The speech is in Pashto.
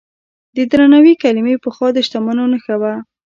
د درناوي کلمې پخوا د شتمنو نښه وه.